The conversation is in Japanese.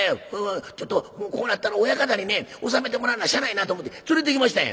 ちょっとこうなったら親方にね収めてもらわなしゃあないなと思て連れてきましたんや」。